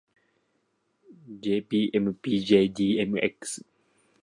jdmpjdmx